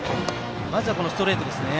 まずストレートですね。